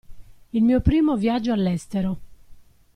Il mio primo viaggio all'estero.